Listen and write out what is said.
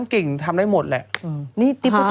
คนทำผิดด่ะ